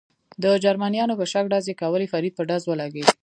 د جرمنیانو په شک ډزې کولې، فرید په ډزو ولګېد.